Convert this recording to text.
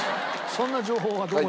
そんな情報はどこに？